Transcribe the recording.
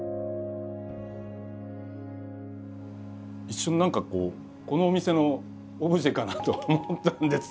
一瞬何かこのお店のオブジェかなと思ったんですけども。